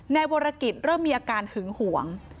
ในฐาวิทยาลัยเริ่มมีอาการหึงห่วง